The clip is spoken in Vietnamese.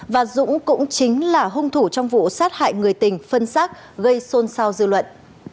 và dũng cũng chính là hung thủ trong vụ sát hại người tình phân xác gây xôn xao dư luận